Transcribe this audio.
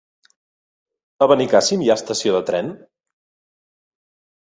A Benicàssim hi ha estació de tren?